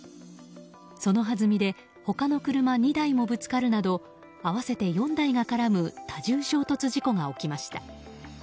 そのはずみで他の車２台もぶつかるなど合わせて４台が絡む多重衝突事故が起きました。